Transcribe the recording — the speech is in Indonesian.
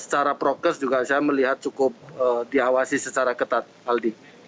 secara prokes juga saya melihat cukup diawasi secara ketat aldi